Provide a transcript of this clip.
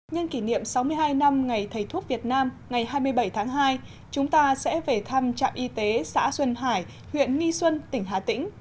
nhân kỷ niệm sáu mươi hai năm ngày thầy thuốc việt nam ngày hai mươi bảy tháng hai chúng ta sẽ về thăm trạm y tế xã xuân hải huyện nghi xuân tỉnh hà tĩnh